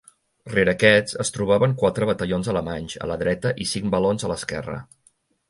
Rere aquests es trobaven quatre batallons alemanys a la dreta i cinc valons a l'esquerra.